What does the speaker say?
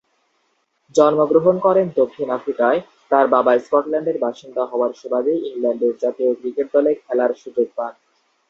জন্মগ্রহণ করেন দক্ষিণ আফ্রিকায়, তার বাবা স্কটল্যান্ডের বাসিন্দা হওয়ার সুবাদে ইংল্যান্ডের জাতীয় ক্রিকেট দলে খেলার সুযোগ পান।